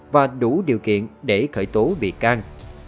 và đủ điều kiện để khởi tố bị can